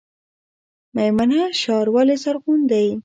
میمنه ښار ولې زرغون دی؟